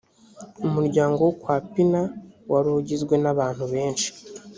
umuryango wo kwa pina wari ugizwe nabantu benshi